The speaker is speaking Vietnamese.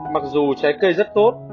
mặc dù trái cây rất tốt